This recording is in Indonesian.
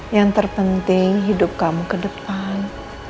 yang terpenting hidup kamu ke depan